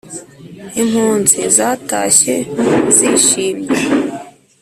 impunzi zatashye zishimye